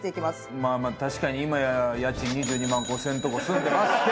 まあまあ確かに今や家賃２２万５０００円のとこ住んでますけど。